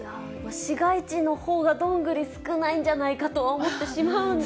市街地のほうがドングリ少ないんじゃないかとは思ってしまうんですが。